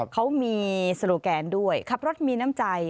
เขามีโซโลแกนด้วยขับรถมีน้ำใจ